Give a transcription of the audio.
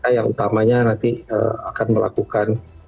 yang utamanya nanti akan melakukan